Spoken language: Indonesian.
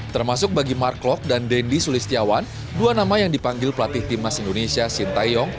termasuk bagi mark klok dan dendy sulistiawan dua nama yang dipanggil pelatih timnas indonesia sintayong